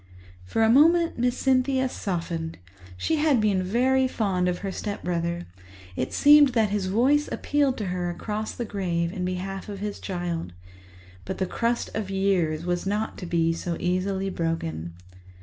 For a moment Miss Cynthia softened. She had been very fond of her stepbrother; it seemed that his voice appealed to her across the grave in behalf of his child. But the crust of years was not to be so easily broken.